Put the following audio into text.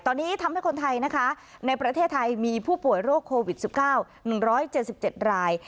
ตอนนี้ทำให้คนไทยนะคะในประเทศไทยมีผู้ป่วยโรคโควิด๑๙๑๗๗ราย